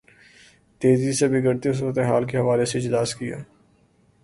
تیزی سے بگڑتی صورت حال کے حوالے سے اجلاس کیا